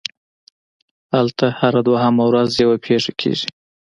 هلته هره دویمه ورځ یوه پېښه کېږي